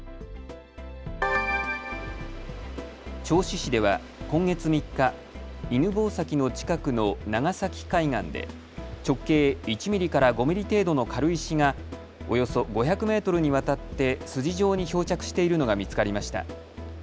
銚子市では、今月３日犬吠埼の近くの長崎海岸で直径１ミリから５ミリ程度の軽石がおよそ５００メートルにわたって筋状に漂着しているのが見つかりました。